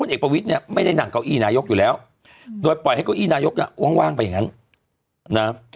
ด้วยปล่อยให้เก้าอี้นายกอยู่แล้วโดยปล่อยให้เก้าอี้นายกว้างไปอย่างนั้น